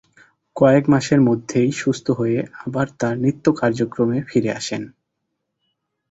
কয়েক মাসের মধ্যেই সুস্থ হয়ে আবার তার নিত্য কার্যক্রমে ফিরে আসেন।